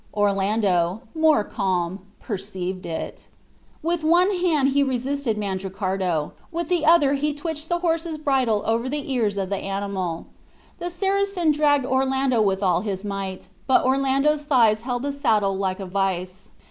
Orlando, more calm, perceived it. With one hand he resisted Mandricardo, with the other he twitched the horse's bridle over the ears of the animal. The Saracen dragged Orlando with all his might, but Orlando's thighs held the saddle like a vise.